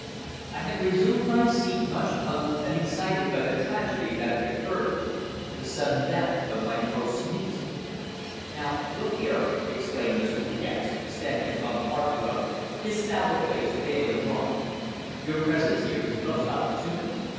I had resumed my seat much puzzled and excited by the tragedy that had occurred the sudden death of my host's niece. "Now, look here," exclaimed Mr. De Gex, standing upon the hearthrug, his sallow face pale and drawn. "Your presence here is most opportune.